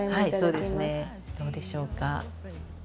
どうでしょうか？